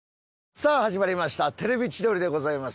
さあ始まりました『テレビ千鳥』でございます。